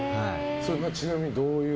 ちなみに、どういう？